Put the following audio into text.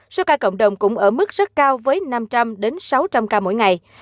số ca cộng đồng cũng ở mức rất cao với năm trăm linh sáu trăm linh ca mỗi ngày